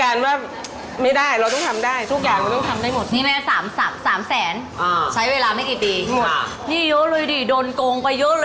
อันนั้นคือเมาสรรจสูงที่สุดในชีวิตแน่นอน